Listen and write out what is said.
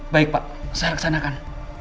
baik pak saya reksanakan